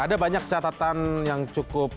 ada banyak catatan yang cukup